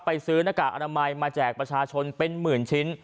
ซื้อหน้ากากอนามัยมาแจกประชาชนเป็นหมื่นชิ้น